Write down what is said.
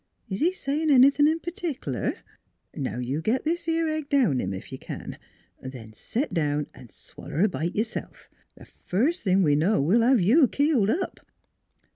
Is he sayin' anythin' p'tic'lar? Now, you git this 'ere egg down him, ef you kin. Then set down an' swal 48 NEIGHBORS ler a bite yourself er first thing we know, we'll hev you keeled up."